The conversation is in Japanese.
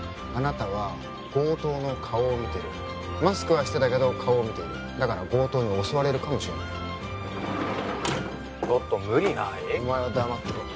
あなたは強盗の顔を見てるマスクはしてたけど顔を見ているだから強盗に襲われるかもしれないちょっと無理ない？